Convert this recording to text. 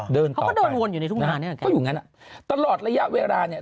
เดินต่อไปเขาก็เดินวนอยู่ในทุ่มทางเนี้ยก็อยู่งั้นอ่ะตลอดระยะเวลาเนี้ย